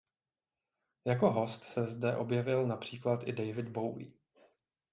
Jako host se zde objevil například i David Bowie.